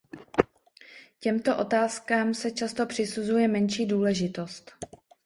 Těmto otázkám se často přisuzuje menší důležitost.